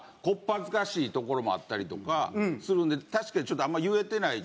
恥ずかしいところもあったりとかするんで確かにあんまり言えてない。